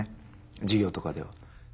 授業とかでは。